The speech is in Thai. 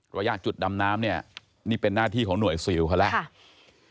ระยะจุดดำน้ำเนี่ยนี่เป็นหน้าที่ของหน่วยซิลเขาแล้ว